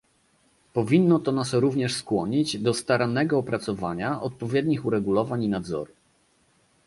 Powinno to nas również skłonić do starannego opracowania odpowiednich uregulowań i nadzoru